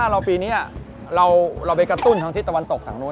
ถ้าเราปีนี้เราไปกระตุ้นทางที่ตะวันตกทางโน้น